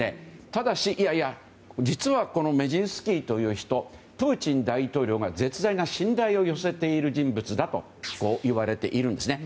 ただし、実はこのメジンスキーという人はプーチン大統領が絶大な信頼を寄せている人物だといわれているんですね。